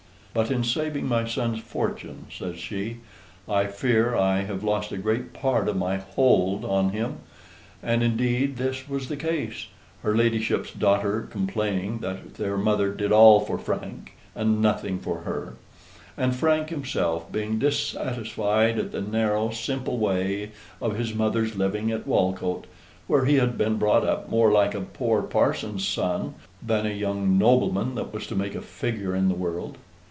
"But in saving my son's fortune," says she, "I fear I have lost a great part of my hold on him." And, indeed, this was the case: her ladyship's daughter complaining that their mother did all for Frank, and nothing for her; and Frank himself being dissatisfied at the narrow, simple way of his mother's living at Walcote, where he had been brought up more like a poor parson's son than a young nobleman that was to make a figure in the world.